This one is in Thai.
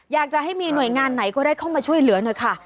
อยากจะให้มีหน่วยงานไหนก็ได้เข้ามาช่วยเหลือหน่อยค่ะ